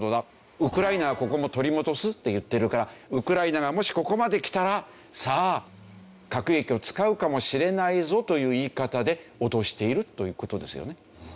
ウクライナはここも取り戻すって言ってるからウクライナがもしここまで来たらさあ核兵器を使うかもしれないぞという言い方で脅しているという事ですよね。